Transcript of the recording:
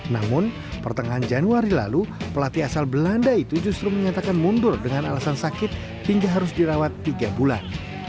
namun pertengahan januari lalu pelatih asal belanda itu justru menyatakan mundur dengan alasan sakit hingga harus dirawat tiga bulan